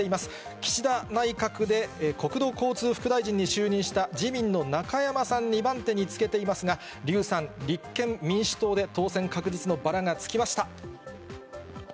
岸田内閣で、国土交通副大臣に就任した自民の中山さん、２番手につけていますが、笠さん、立憲民主党で当選確実のバラがつきました。